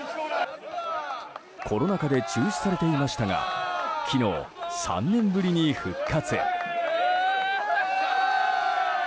コロナ禍で中止されていましたが昨日、３年ぶりに復活。